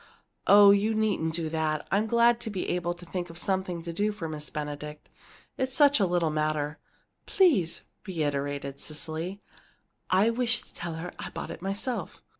"Oh, you needn't do that! I'm glad to be able to think of something to do for Miss Benedict. It's such a little matter " "Please!" reiterated Cecily. "I wish to tell her I bought it myself."